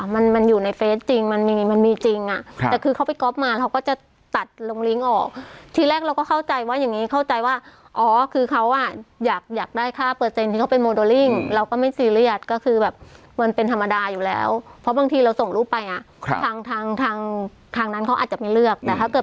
มันมันอยู่ในเฟสจริงมันมีมันมีจริงอ่ะครับแต่คือเขาไปก๊อฟมาเขาก็จะตัดลงลิ้งออกทีแรกเราก็เข้าใจว่าอย่างงี้เข้าใจว่าอ๋อคือเขาอ่ะอยากอยากได้ค่าเปอร์เซ็นต์ที่เขาเป็นโมเดลลิ่งเราก็ไม่ซีเรียสก็คือแบบมันเป็นธรรมดาอยู่แล้วเพราะบางทีเราส่งรูปไปอ่ะครับทางทางทางนั้นเขาอาจจะไม่เลือกแต่ถ้าเกิด